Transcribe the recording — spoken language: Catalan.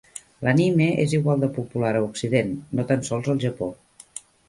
L'anime és igual de popular a occident, no tan sols al Japó.